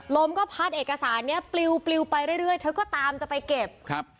ล้มก็พัดเอกสารเนี่ยปลิวไปเรื่อยเธอก็ตามจะไปเก็บ